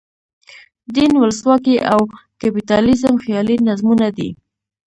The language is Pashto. دین، ولسواکي او کپیټالیزم خیالي نظمونه دي.